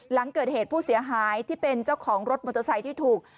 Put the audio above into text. หลังเกิดเหตุผู้เสียหายที่เป็นเจ้าของรถมอเตอร์ไซค์ที่ถูก